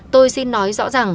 tôi xin nói rõ ràng